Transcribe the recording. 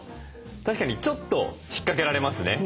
確かにちょっと引っかけられますね。